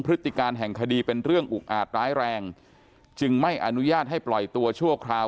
พฤติการแห่งคดีเป็นเรื่องอุกอาจร้ายแรงจึงไม่อนุญาตให้ปล่อยตัวชั่วคราว